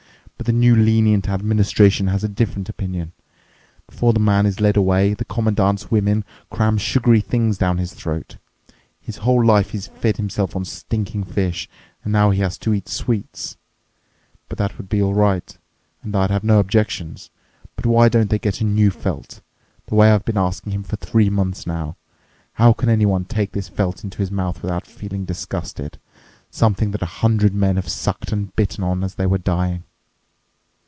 But the new lenient administration has a different opinion. Before the man is led away, the Commandant's women cram sugary things down his throat. His whole life he's fed himself on stinking fish, and now he has to eat sweets! But that would be all right—I'd have no objections—but why don't they get a new felt, the way I've been asking him for three months now? How can anyone take this felt into his mouth without feeling disgusted—something that a hundred man have sucked and bitten on it as they were dying?"